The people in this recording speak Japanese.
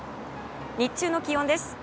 日中の気温です。